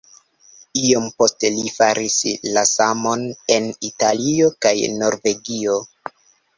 Iom poste li faris la samon en Italio kaj Norvegio.